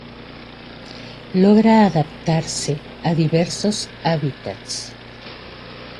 Logra adaptarse a diversos hábitats.